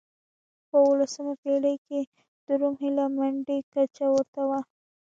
په اولسمه پېړۍ کې د روم هیله مندۍ کچه ورته و.